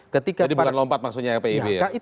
jadi bukan lompat maksudnya ya pak ibu ya